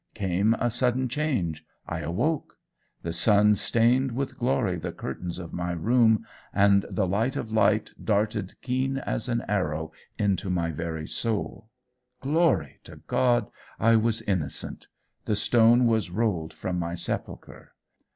Came a sudden change: I awoke. The sun stained with glory the curtains of my room, and the light of light darted keen as an arrow into my very soul. Glory to God! I was innocent! The stone was rolled from my sepulchre.